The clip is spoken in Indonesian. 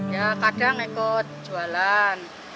ya kadang ikut jualan